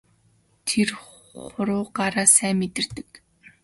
Тэр хуруугаараа сайн мэдэрдэг.